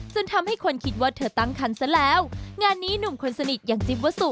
จนทำให้คนคิดว่าเธอตั้งคันซะแล้วงานนี้หนุ่มคนสนิทอย่างจิ๊บวัสสุ